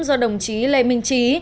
do đồng chí lê minh trí